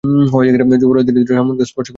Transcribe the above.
যুবরাজ ধীরে ধীরে রামনােহনকে স্পর্শ করিলেন।